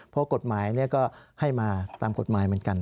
เพราะกฎหมายก็ให้มาตามกฎหมายเหมือนกัน